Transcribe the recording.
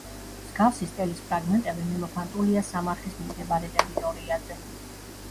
მსგავსი სტელის ფრაგმენტები მიმოფანტულია სამარხის მიმდებარე ტერიტორიაზე.